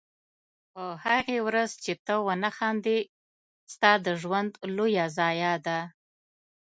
په هغې ورځ چې ته ونه خاندې ستا د ژوند لویه ضایعه ده.